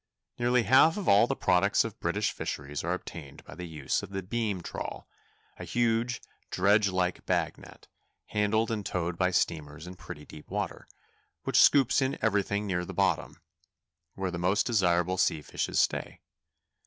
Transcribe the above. Nearly half of all the products of British fisheries are obtained by the use of the beam trawl—a huge dredge like bag net, handled and towed by steamers in pretty deep water, which scoops in everything near the bottom, where the most desirable sea fishes stay.